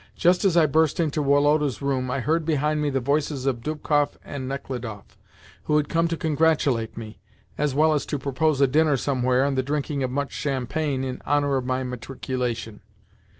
Just as I burst into Woloda's room, I heard behind me the voices of Dubkoff and Nechludoff, who had come to congratulate me, as well as to propose a dinner somewhere and the drinking of much champagne in honour of my matriculation.